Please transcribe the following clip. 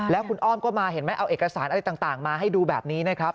แล้วคุณอ้อมก็มาเห็นไหมเอาเอกสารอะไรต่างมาให้ดูแบบนี้นะครับ